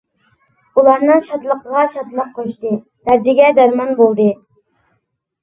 ئۇلارنىڭ شادلىقىغا شادلىق قوشتى، دەردىگە دەرمان بولدى.